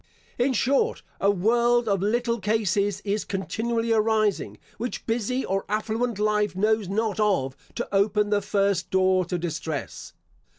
In short, a world of little cases is continually arising, which busy or affluent life knows not of, to open the first door to distress.